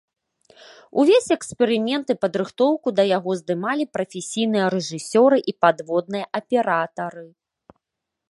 Увесь эксперымент і падрыхтоўку да яго здымалі прафесійныя рэжысёры і падводныя аператары.